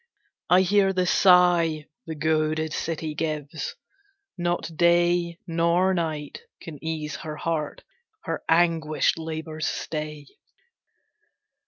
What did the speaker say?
I hear the sigh The goaded city gives, not day Nor night can ease her heart, her anguished labours stay.